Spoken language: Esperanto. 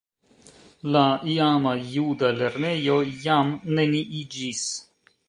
La iama juda lernejo jam neniiĝis.